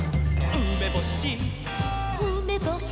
「うめぼし！」